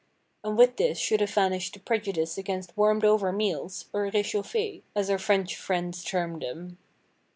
And with this should have vanished the prejudice against warmed over meals—or réchauffés, as our French friends term them.